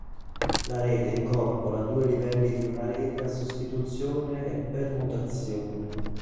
La rete incorpora due livelli di una rete a sostituzione e permutazione.